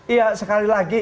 iya sekali lagi